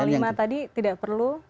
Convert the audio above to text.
yang lima tadi tidak perlu login